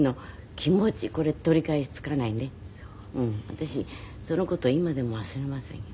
私その事今でも忘れませんよ。